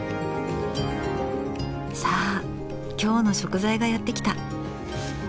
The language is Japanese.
さあ今日の食材がやって来た。